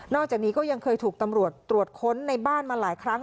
จากนี้ก็ยังเคยถูกตำรวจตรวจค้นในบ้านมาหลายครั้ง